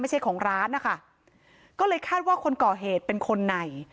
ไม่ใช่ของร้านนะคะก็เลยคาดว่าคนก่อเหตุเป็นคนใน